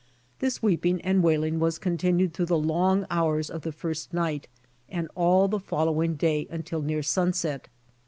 This weeping and wail ing was continued through the long hours of the first night and all the following day until near sunset.